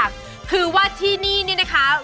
คือว่าที่นี่นี่นะคะ